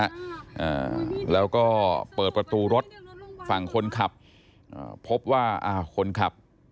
อ่าแล้วก็เปิดประตูรถฝั่งคนขับอ่าพบว่าอ่าคนขับ